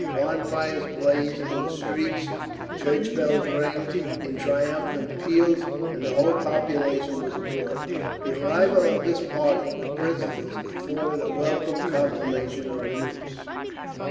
Bonfires blazed in the streets, church bells rang in triumphant peals, and the whole population was abroad. The arrival of this party, with prisoners, afforded a welcome confirmation of the news.